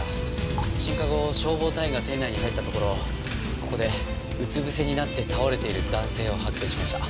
鎮火後消防隊員が店内に入ったところここでうつぶせになって倒れている男性を発見しました。